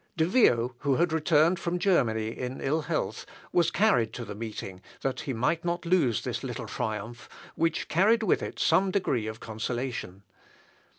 De Vio, who had returned from Germany in ill health, was carried to the meeting, that he might not lose this little triumph, which carried with it some degree of consolation.